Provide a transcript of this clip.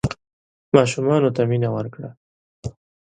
ماشومانو ته مینه ورکړه.